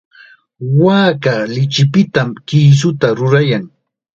Waaka lichipitam kisuta rurayan.